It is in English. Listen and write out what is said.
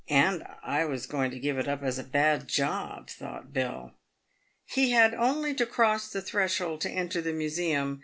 And I was going to give it up as a bad job," thought Bill. He had only to cross the threshold to enter the museum.